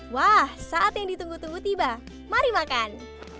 wah saat yang ditunggu tunggu tiba mari makan